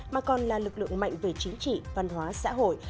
mà còn là lực lượng mạnh về chính trị văn hóa xã hội